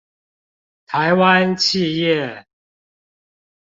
台灣企業